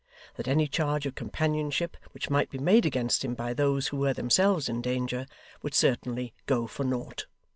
That any charge of companionship which might be made against him by those who were themselves in danger, would certainly go for nought.